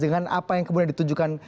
dengan apa yang kemudian ditunjukkan